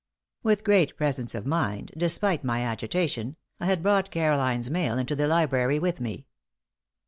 With great presence of mind, despite my agitation, I had brought Caroline's mail into the library with me.